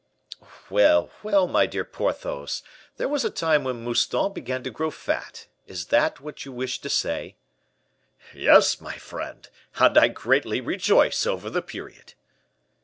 "Well, well, my dear Porthos; there was a time when Mouston began to grow fat. Is that what you wished to say?" "Yes, my friend; and I greatly rejoice over the period."